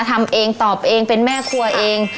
ทำเองตอบเองเป็นแม่ครัวเอง